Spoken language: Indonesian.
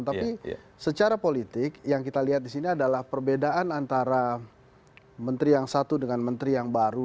tapi secara politik yang kita lihat di sini adalah perbedaan antara menteri yang satu dengan menteri yang baru